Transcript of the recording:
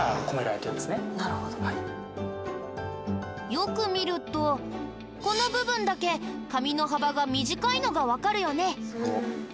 よく見るとこの部分だけ紙の幅が短いのがわかるよね。